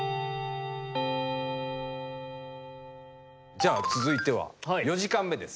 じゃあ続いては４時間目です。